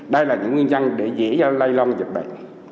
đây là những nguyên nhân để dễ lây lan dịch bệnh